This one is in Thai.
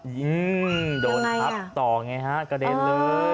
โดนครับต่อไงฮะกระเด็นเลย